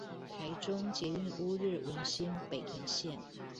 台中捷運烏日文心北屯線